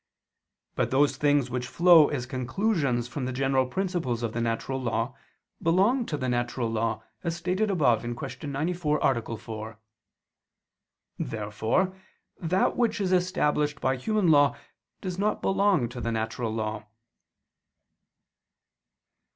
But those things which flow as conclusions from the general principles of the natural law belong to the natural law, as stated above (Q. 94, A. 4). Therefore that which is established by human law does not belong to the natural law.